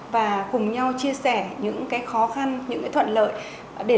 và cùng nhau chia sẻ những khó khăn những thuận lợi để làm sao mình giúp nhau